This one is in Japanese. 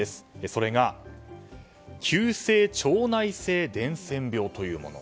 それが急性腸内性伝染病というもの。